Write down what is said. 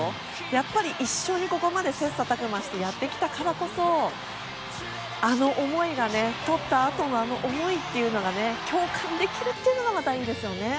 やっぱり、一緒にここまで切磋琢磨してやってきたからこそとったあとのあの思いが共感できるっていうのがまた、いいんですよね。